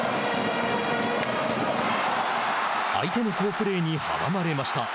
相手の好プレーに阻まれました。